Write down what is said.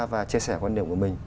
và chia sẻ quan điểm của mình